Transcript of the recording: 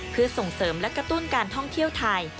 เพื่อส่งเสริมและกระตุ้นการท่องเที่ยวไทย